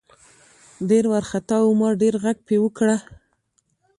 ډېر ورخطا وو ما ډېر غږ پې وکړه .